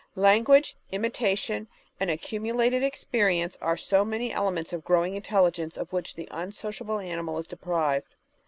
Language, imitation, and accumulated experience are so many elements of growing intelligence of which the un sociable animal is deprived.